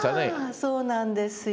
ああそうなんですよ。